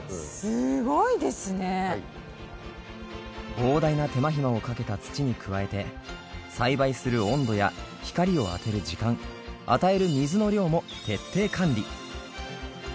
膨大な手間ひまをかけた土に加えて栽培する温度や光を当てる時間与える水の量も徹底管理。